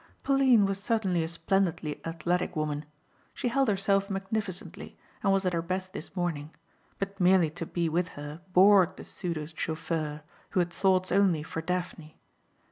Pauline was certainly a splendidly athletic woman. She held herself magnificently and was at her best this morning but merely to be with her bored the pseudo chauffeur who had thoughts only for Daphne.